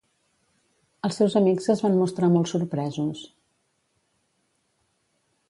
Els seus amics es van mostrar molt sorpresos.